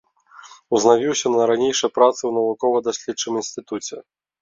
Узнавіўся на ранейшай працы ў навукова-даследчым інстытуце.